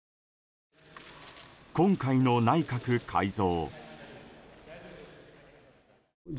今回の内閣改造。